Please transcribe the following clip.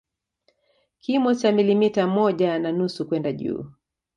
Kimo cha milimita moja na nusu kwenda juu